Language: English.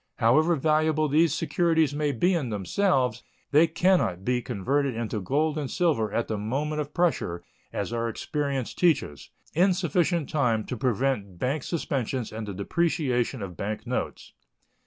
However valuable these securities may be in themselves, they can not be converted into gold and silver at the moment of pressure, as our experience teaches, in sufficient time to prevent bank suspensions and the depreciation of bank notes.